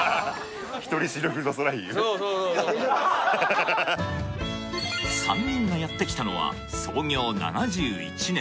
そうそうそうそうそう３人がやって来たのは創業７１年